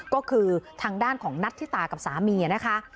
ก็คือทางด้านของนัทธิตากับสามีนะคะ